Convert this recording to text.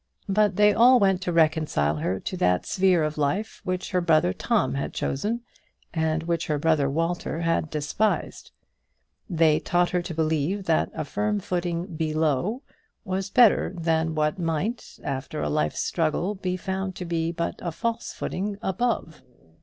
But they all went to reconcile her to that sphere of life which her brother Tom had chosen, and which her brother Walter had despised. They taught her to believe that a firm footing below was better than what might, after a life's struggle, be found to be but a false footing above.